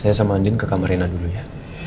saya sama andin ke kamar rena dulu ya